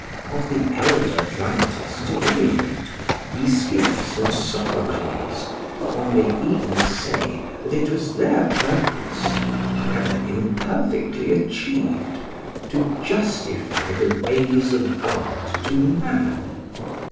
Of the elder dramatists at any rate, Aeschylus and Sophocles, one may even say that it was their purpose however imperfectly achieved to "justify the ways of God to man."